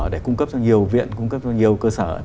để cung cấp cho nhiều viện cung cấp cho nhiều cơ sở